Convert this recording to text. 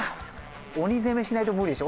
鬼攻めしないと無理でしょ。